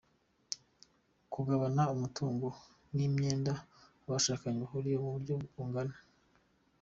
Kugabana umutungo n’imyenda abashakanye bahuriyeho ku buryo bungana.